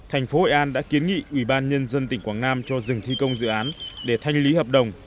thành phố hội an đã kiến nghị ủy ban nhân dân tỉnh quảng nam cho dừng thi công dự án để thanh lý hợp đồng